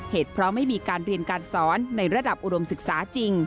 เหตุเพราะไม่มีการเรียนการสอนในระดับอุดมศึกษาจริง